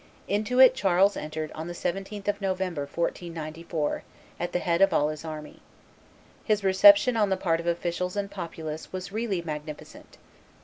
Into it Charles entered on the 17th of November, 1494, at the head of all his army. His reception on the part of officials and populace was really magnificent.